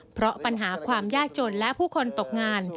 เพราะปัญหาความยากจนและผู้คนตกงาน